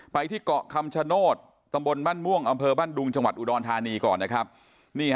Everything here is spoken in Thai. ไปที่เกาะคำชโนธตำบลบ้านม่วงอำเภอบ้านดุงจังหวัดอุดรธานีก่อนนะครับ